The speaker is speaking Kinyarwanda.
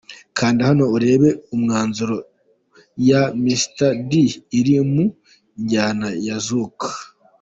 Kanda hano urebe 'Umwanzuro ya Mr D iri mu njyana ya Zouk.